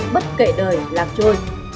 bất kể đời lạc trôi